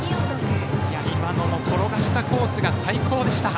今のも転がしたコースが最高でした。